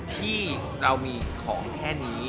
ที่เรามีของแค่นี้